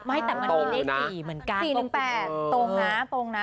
ไม่แต่มันมีเลข๔เหมือนกัน๔๑๘ตรงนะตรงนะ